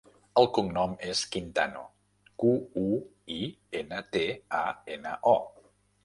El cognom és Quintano: cu, u, i, ena, te, a, ena, o.